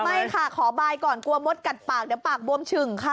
ไม่ค่ะขอบายก่อนกลัวมดกัดปากเดี๋ยวปากบวมฉึ่งค่ะ